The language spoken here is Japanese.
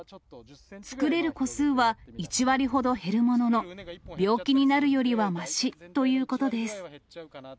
作れる個数は１割ほど減るものの、病気になるよりはましということです。